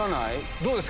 どうですか？